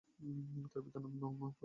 তার পিতার নাম ছিল পৃষত।